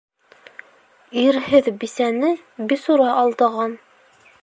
Ирһеҙ бисәне бисура алдаған.